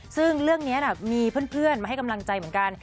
ซึ่งเรื่องนี้มีเพื่อนมาให้กำลังใจเหมือนกัน